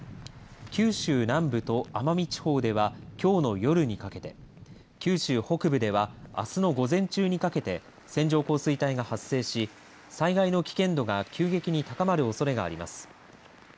九州南部と奄美地方ではきょうの夜にかけて九州北部ではあすの午前中にかけて線状降水帯が発生し災害の危険度が急激に高まるおそれがあります。